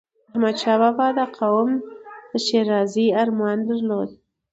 احمدشاه بابا د قوم د ښېرازی ارمان درلود.